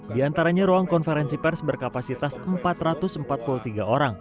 di antaranya ruang konferensi pers berkapasitas empat ratus empat puluh tiga orang